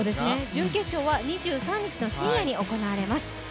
準決勝は２３日の深夜に行われます。